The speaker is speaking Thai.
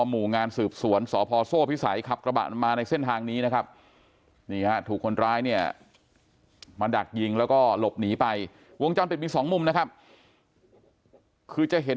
มาดักยิงแล้วก็หลบหนีไปวงจอมเป็นสองมุมนะครับคือจะเห็น